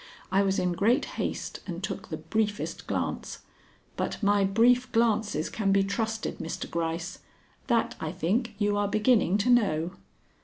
I was in great haste and took the briefest glance. But my brief glances can be trusted, Mr. Gryce. That, I think, you are beginning to know."